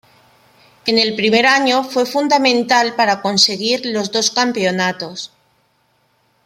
En el primer año fue fundamental para conseguir los dos campeonatos.